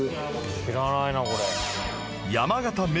知らないなこれ。